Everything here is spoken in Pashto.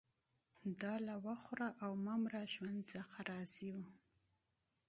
دا له وخوره او مه مره ژوند څخه راضي وو